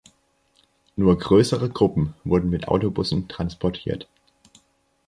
Nur größere Gruppen wurden mit Autobussen transportiert.